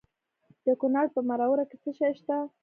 د کونړ په مروره کې څه شی شته؟